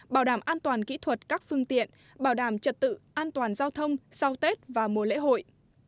bảo đảm an toàn kỹ thuật các phương tiện bảo đảm trật tự an toàn giao thông sau tết và mùa lễ hội